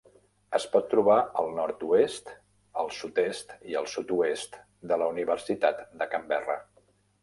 Es pot trobar al nord-oest, al sud-est i al sud-oest de la Universitat de Canberra.